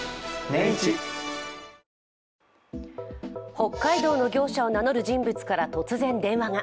北海道の業者を名乗る人物から突然電話が。